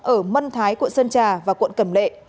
ở mân thái quận sơn trà và quận cẩm lệ